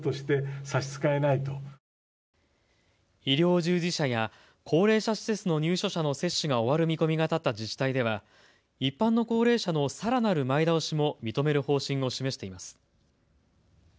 医療従事者や高齢者施設の入所者の接種が終わる見込みが立った自治体では一般の高齢者のさらなる前倒しも認める方針を示しています。